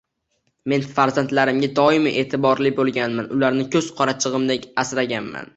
Men farzandlarimga doim e`tiborli bo`lganman, ularni ko`z qorachig`imdek asraganman